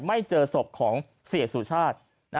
ไม่เจอศพของเสียสุชาติ